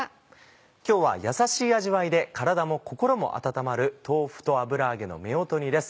今日は優しい味わいで体も心も温まる豆腐と油揚げの「夫婦煮」です。